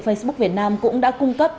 facebook việt nam cũng đã cung cấp